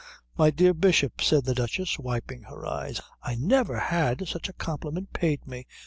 "My dear Bishop," said the Duchess, wiping her eyes, "I never had such a compliment paid me.